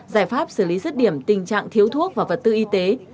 giải pháp xử lý rứt điểm tình trạng thiếu thuốc và vật tư y tế